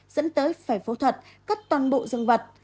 dẫn tới phải phẫu thuật cắt toàn bộ rừng vật